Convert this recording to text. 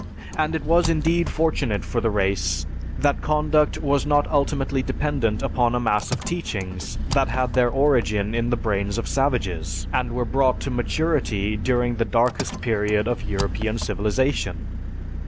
And it was indeed fortunate for the race that conduct was not ultimately dependent upon a mass of teachings that had their origin in the brains of savages, and were brought to maturity during the darkest period of European civilization....